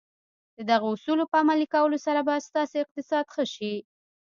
د دغو اصولو په عملي کولو سره به ستاسې اقتصاد ښه شي.